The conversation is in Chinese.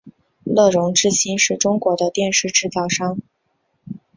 乐融致新是中国的电视制造商。